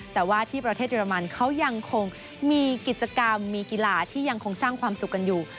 แต่ว่าที่ประเทศเยอรมันเขายังคงมีกิจกรรมมีกีฬาที่ยังคงสร้างความสุขกันอยู่